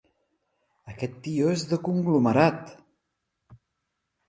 Aquest tió és de conglomerat!